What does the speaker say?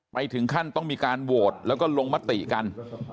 ถึงขั้นต้องมีการโหวตแล้วก็ลงมติกัน